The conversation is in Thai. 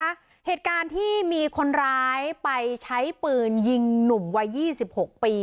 เหตุการณ์ที่มีคนร้ายไปใช้ปืนยิงหนุ่มวัยยี่สิบหกปี